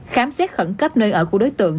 khám xét khẩn cấp nơi ở của đối tượng